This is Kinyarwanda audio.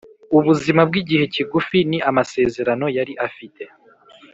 Ubuzima bw’igihe kigufi ni amasezerano yari afite